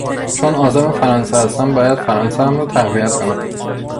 چون عازم فرانسه هستیم باید فرانسهام را تقویت کنم.